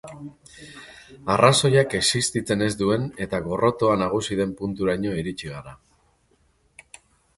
Arrazoiak existitzen ez duen eta gorrotoa nagusi den punturaino iritsi gara.